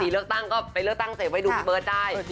เลือกตั้งก็ไปเลือกตั้งเสร็จไว้ดูพี่เบิร์ตได้